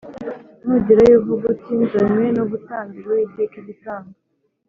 nugerayo uvuge uti ‘Nzanywe no gutambira Uwiteka igitambo.’